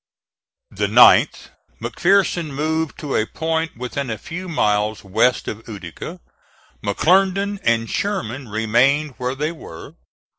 The 9th, McPherson moved to a point within a few miles west of Utica; McClernand and Sherman remained where they were.